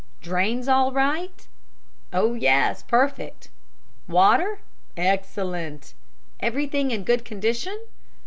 Drains all right?" "Oh, yes! Perfect." "Water?" "Excellent." "Everything in good condition?"